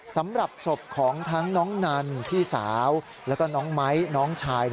สำหรับศพของทั้งน้องนันพี่สาวแล้วก็น้องไม้น้องชาย